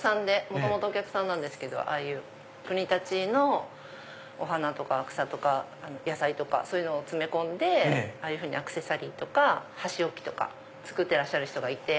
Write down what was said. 元々お客さんなんですけど国立のお花とか草とか野菜とかそういうのを詰め込んでアクセサリーとか箸置きとか作ってらっしゃる人がいて。